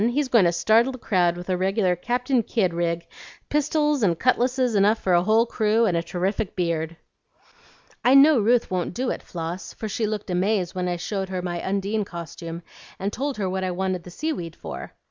He's going to startle the crowd with a regular Captain Kidd rig, pistols and cutlasses enough for a whole crew, and a terrific beard." "I know Ruth won't do it, Floss, for she looked amazed when I showed her my Undine costume, and told her what I wanted the sea weed for.